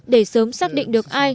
để sớm xác định được ai